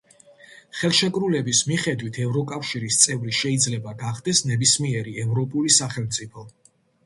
ხელშეკრულების მიხედვით ევროკავშირის წევრი შეიძლება გახდეს ნებისმიერი ევროპული სახელმწიფო.